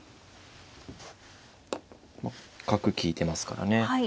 角利いてますからね。